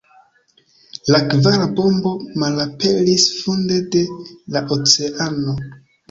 La kvara bombo malaperis funde de la oceano.